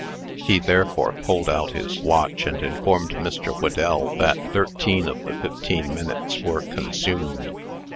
He therefore pulled out his watch, and informed Mr. Whedell that thirteen of the fifteen minutes were consumed.